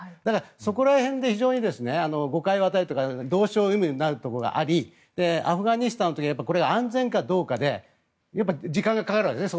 そこら辺で非常に誤解を与えてるというか同床異夢になるところがありアフガニスタンの時はこれが安全かどうかで時間がかかるわけですね